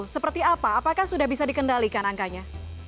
seperti apa apakah sudah bisa dikendalikan angkanya